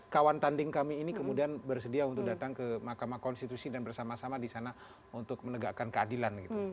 kawan tanding kami ini kemudian bersedia untuk datang ke mahkamah konstitusi dan bersama sama di sana untuk menegakkan keadilan gitu